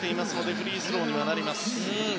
フリースローになります。